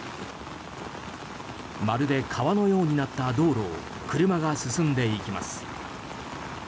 まるで川のようになった道路を車が進んでいきます。